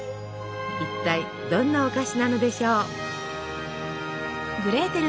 一体どんなお菓子なのでしょう。